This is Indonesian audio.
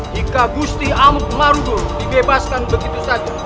jika usti amuk marugol dibebaskan begitu saja